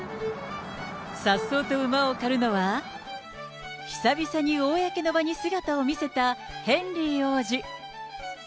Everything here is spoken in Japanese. さっそうと馬を駆るのは、久々に公の場に姿を見せたヘンリー王子。